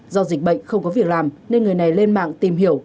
do dịch bệnh không có việc làm nên người này lên mạng tìm hiểu